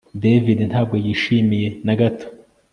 David ntabwo yishimiye na gato